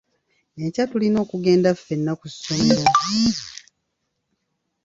Enkya tulina okugenda ffenna ku ssomero.